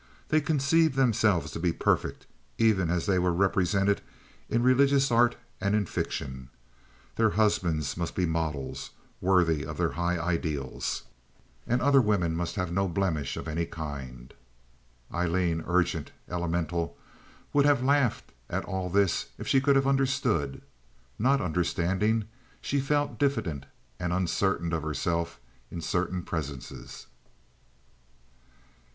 They conceived themselves to be perfect, even as they were represented in religious art and in fiction. Their husbands must be models, worthy of their high ideals, and other women must have no blemish of any kind. Aileen, urgent, elemental, would have laughed at all this if she could have understood. Not understanding, she felt diffident and uncertain of herself in certain presences.